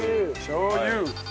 しょう油。